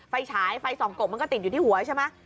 ไฟฉายไฟส่องกบมันก็ติดอยู่ที่หัวใช่ไหม